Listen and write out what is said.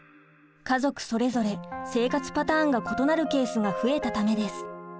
家族それぞれ生活パターンが異なるケースが増えたためです。